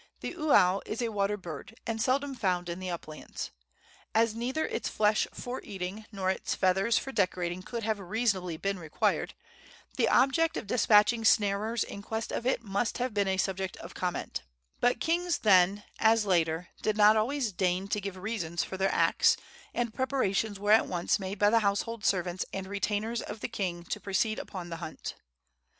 The uau is a water bird, and seldom found in the uplands. As neither its flesh for eating nor its feathers for decorating could have reasonably been required, the object of despatching snarers in quest of it must have been a subject of comment; but kings then, as later, did not always deign to give reasons for their acts, and preparations were at once made by the household servants and retainers of the king to proceed upon the hunt.